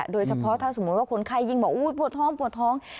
โดยเฉพาะถ้าสมมติว่าคนไข้ยิ่งบอกโอ๊ยปั่วท้อง